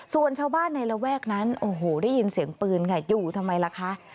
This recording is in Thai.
ส่วนชาวบ้านในระแวกนั้นโอ้โหได้ยินเสียงปืนค่ะอยู่ทำไมล่ะคะ